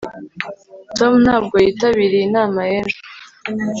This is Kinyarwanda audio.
tom ntabwo yitabiriye inama y'ejo